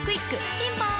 ピンポーン